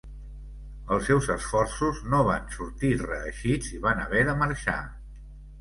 Els seus esforços no van sortir reeixits i van haver de marxar.